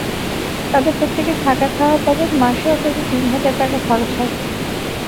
তাঁদের প্রত্যেকের থাকা-খাওয়া বাবদ মাসে অন্তত তিন হাজার টাকা খরচ হয়।